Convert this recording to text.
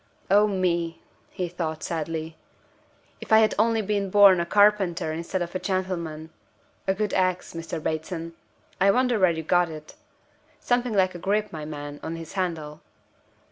"Oh me!" he thought, sadly, "if I had only been born a carpenter instead of a gentleman! A good ax, Master Bateson I wonder where you got it? Something like a grip, my man, on this handle.